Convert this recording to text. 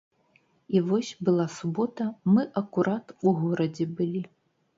І вось, была субота, мы акурат у горадзе былі.